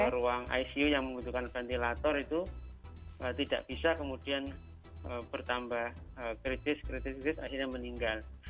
ruang icu yang membutuhkan ventilator itu tidak bisa kemudian bertambah kritis kritis kritis akhirnya meninggal